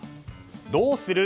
どうする？